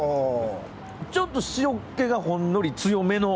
ちょっと塩けがほんのり強めの。